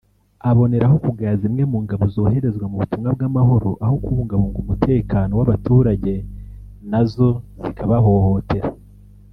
aboneraho kugaya zimwe mu ngabo zoherezwa mu butumwa bw’amahoro aho kubungabunga umutekano w’abaturage nazo zikabahohotera